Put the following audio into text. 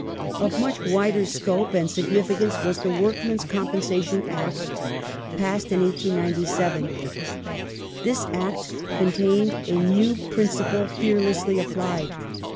Of much wider scope and significance was the Workmen's Compensation Act passed in 1897. This Act contained a new principle fearlessly applied.